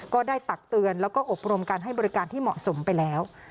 ตักเตือนแล้วก็อบรมการให้บริการที่เหมาะสมไปแล้ว